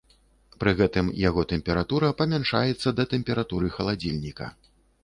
Пры гэтым яго тэмпература памяншаецца да тэмпературы халадзільніка.